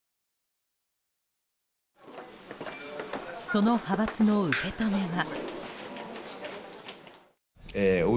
その派閥の受け止めは。